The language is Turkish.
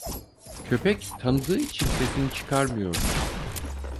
Köpek, tanıdığı için sesini çıkarmıyordu.